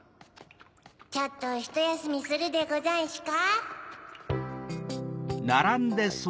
ちょっとひとやすみするでござんしゅか？